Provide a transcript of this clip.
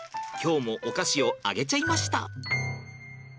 今日もお菓子をあげちゃいました。